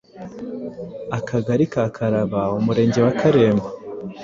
Akagari ka Karaba, Umurenge wa Karembo,